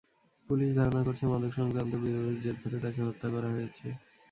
Police ধারণা করছে, মাদকসংক্রান্ত বিরোধের জের ধরে তাকে হত্যা করা হয়েছে।